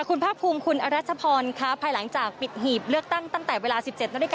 คุณภาคภูมิคุณอรัชพรค่ะภายหลังจากปิดหีบเลือกตั้งตั้งแต่เวลา๑๗นาฬิกา